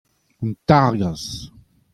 An targazh.